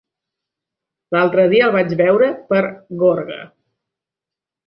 L'altre dia el vaig veure per Gorga.